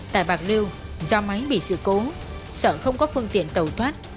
tại bạc lưu do máy bị sự cố sợ không có phương tiện tẩu thoát